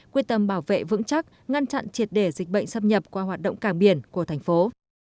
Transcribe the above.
quyết tâm bảo vệ vững chắc ngăn chặn triệt để dịch bệnh xâm nhập qua hoạt động cảng biển của thành phố